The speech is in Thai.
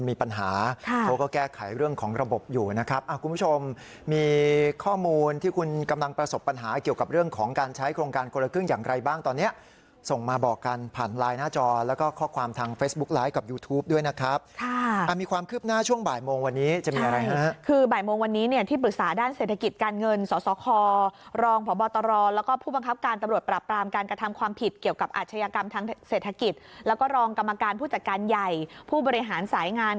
มีปัญหาเขาก็แก้ไขเรื่องของระบบอยู่นะครับอ่ะคุณผู้ชมมีข้อมูลที่คุณกำลังประสบปัญหาเกี่ยวกับเรื่องของการใช้โครงการโกรธเครื่องอย่างไรบ้างตอนเนี้ยส่งมาบอกกันผ่านไลน์หน้าจอแล้วก็ข้อความทางเฟซบุ๊กไลก์กับยูทูปด้วยนะครับค่ะอ่ะมีความคืบหน้าช่วงบ่ายโมงวันนี้จะมีอะไรนะคือบ่ายโมงวันนี้เน